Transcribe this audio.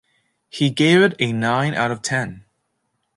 He gave it a nine out of ten.